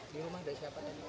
di rumah dari siapa